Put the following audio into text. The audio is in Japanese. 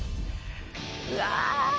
うわ！